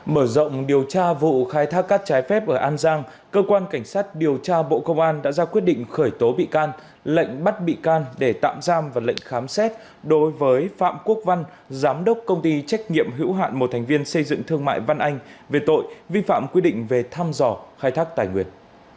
mở rộng điều tra vụ khai thác cát trái phép ở an giang cơ quan cảnh sát điều tra bộ công an đã ra quyết định khởi tố bị can lệnh bắt bị can để tạm giam và lệnh khám xét đối với phạm quốc văn giám đốc công ty trách nhiệm hữu hạn một thành viên xây dựng thương mại văn anh về tội vi phạm quy định về thăm dò khai thác tài nguyên